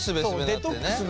そうデトックス。